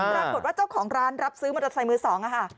ปรากฏว่าเจ้าของร้านรับซื้อมอเตอร์ไซค์มือสองค่ะ